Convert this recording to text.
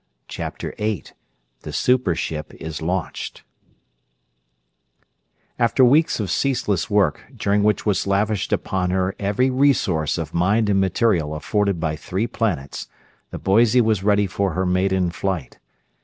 CHAPTER VIII The Super Ship Is Launched After weeks of ceaseless work, during which was lavished upon her every resource of mind and material afforded by three planets, the Boise was ready for her maiden flight.